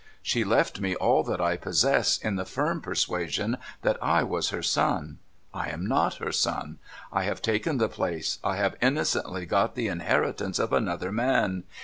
She left me all that I possess, in the firm persuasion that I was her son. I am not her son. I have taken the place, I have innocently got the inheritance of another man.